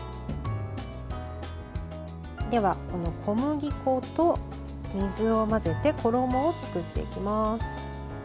では、小麦粉と水を混ぜて衣を作っていきます。